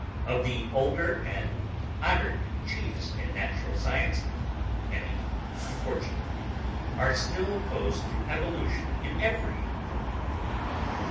Of the older and honoured chiefs in natural science, many unfortunately are still opposed to evolution in every form.